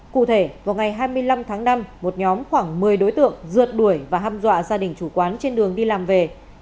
cụ thể vào ngày hai mươi năm tháng năm một nhóm khoảng một mươi đối tượng rượt đuổi và hâm dọa gia đình chủ quán trên đường đi làm về